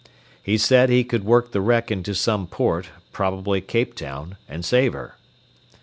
He said he could work the wreck into some port, probably Cape Town, and save her.